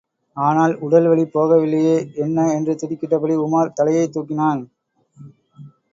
ஆனால், உடல் வலி போகவில்லையே! என்ன, என்று திடுக்கிட்டபடி உமார் தலையைத் தூக்கினான்.